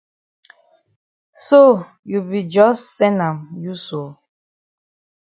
So you be jus sen am you so.